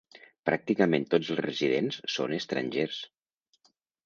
Pràcticament tots els residents són estrangers.